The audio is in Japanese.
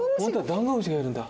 ダンゴムシがいるんだ。